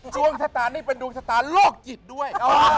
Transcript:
ดวงชะตานี่เป็นดวงชะตาโลกจิตด้วย